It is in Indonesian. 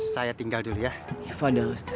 saya tinggal dulu ya